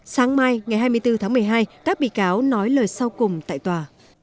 sáng mai ngày hai mươi bốn tháng một mươi hai các bị cáo nói lời sau cùng tại tòa